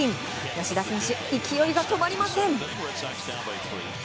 吉田選手、勢いが止まりません。